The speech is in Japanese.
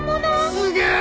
すげえ！